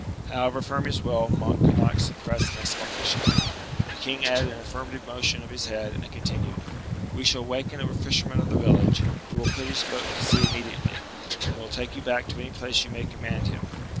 However firm his will, Monk could not suppress an exclamation. The king added an affirmative motion of his head, and continued: "We shall waken a fisherman of the village, who will put his boat to sea immediately, and will take you back to any place you may command him.